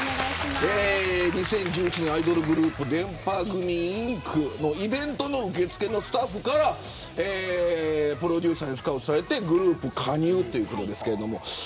２０１１年アイドルグループでんぱ組．ｉｎｃのイベントの受け付けのスタッフからプロデューサーにスカウトされてグループに加入ですけど。